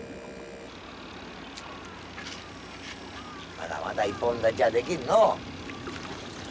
まだまだ一本立ちはできんのう。